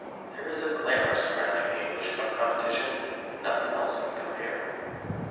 There is a glamour surrounding the English Cup Competition that nothing else can compare with.